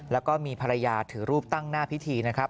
แล้วก็มีภรรยาถือรูปตั้งหน้าพิธีนะครับ